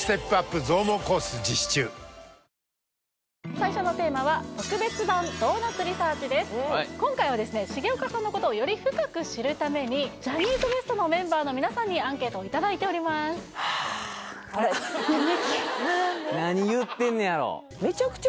最初のテーマは今回はですね重岡さんのことをより深く知るためにジャニーズＷＥＳＴのメンバーの皆さんにアンケートをいただいておりますはあ・ため息何言ってんねやろ？